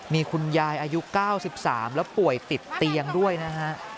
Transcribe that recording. มีคุณยายอายุ๙๓แล้วป่วยติดเตียงด้วยนะฮะ